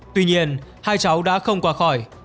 tuy nhiên hai cháu đã không qua khỏi